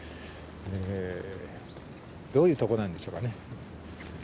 えどういうとこなんでしょうかね。